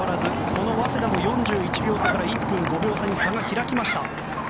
この早稲田も４１秒差から１分５秒差に開きました。